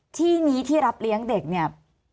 ที่นี้ที่รับเลี้ยงเด็กเนี่ย